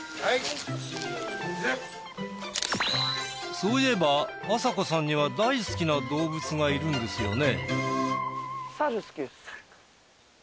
そういえばあさこさんには大好きな動物がいるんですよね？